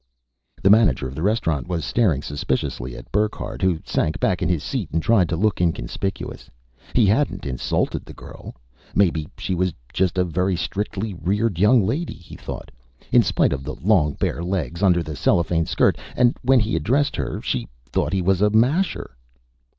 The manager of the restaurant was staring suspiciously at Burckhardt, who sank back in his seat and tried to look inconspicuous. He hadn't insulted the girl! Maybe she was just a very strictly reared young lady, he thought in spite of the long bare legs under the cellophane skirt and when he addressed her, she thought he was a masher.